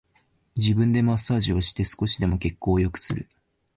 自分でマッサージをして少しでも血行を良くする